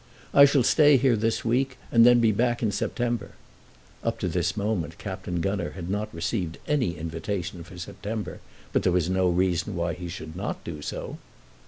I shall stay here this week, and then be back in September." Up to this moment Captain Gunner had not received any invitation for September, but then there was no reason why he should not do so.